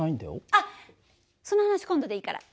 あっその話今度でいいから。